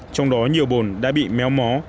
trong đó nhiều bồn đã bị méo mó